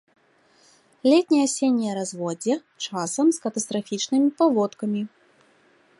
Летне-асенняе разводдзе, часам з катастрафічнымі паводкамі.